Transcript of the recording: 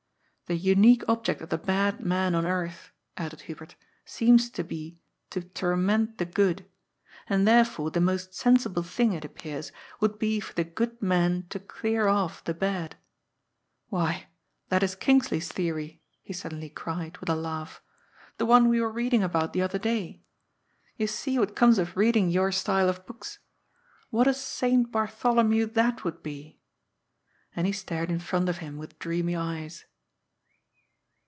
" The unique object of the bad men on earth," added Hubert, " seems to be to torment the good. And therefore the most sensible thing, it appears, would be for the good men to clear off the bad. Why, that is Kingsley's theory," he suddenly cried, with a laugh. " The one we were read ing about the other day. You see what comes of reading your style of books ! What a St Bartholomew that would be I " And he stared in front of him with dreamy eyes.